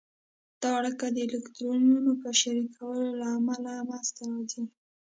دا اړیکه د الکترونونو په شریکولو له امله منځته راځي.